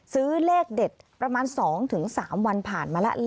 เลขเด็ดประมาณ๒๓วันผ่านมาแล้ว